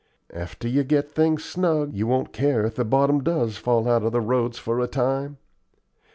After you get things snug, you won't care if the bottom does fall out of the roads for a time.